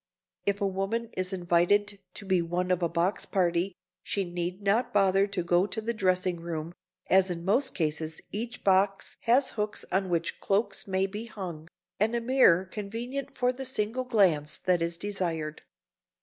If a woman is invited to be one of a box party she need not bother to go to the dressing room, as in most cases each box has hooks on which cloaks may be hung and a mirror convenient for the single glance that is desired.